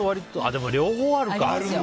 でも両方あるか。